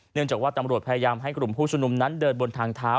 จากว่าตำรวจพยายามให้กลุ่มผู้ชุมนุมนั้นเดินบนทางเท้า